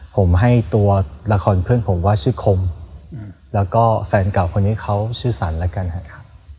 ผมให้ตัวละครเพื่อนผมว่าชื่อคมแล้วก็แฟนเก่าคนนี้เขาชื่อสรรแล้วกันครับ